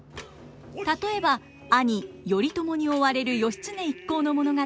例えば兄頼朝に追われる義経一行の物語